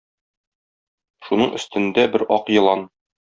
Шуның өстендә бер Ак елан.